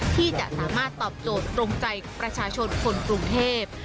ที่จะสามารถตอบโจทย์ตรงใจประชาชนคนกรุงเทพ